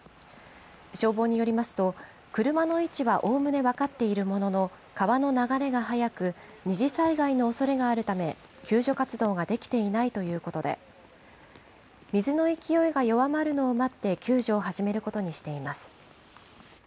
消防によりますと、車の位置はおおむね分かっているものの、川の流れが速く二次災害のおそれがあるため、救助活動ができていないということで、水の勢いが弱まるのを待って、救助を始めることにしています。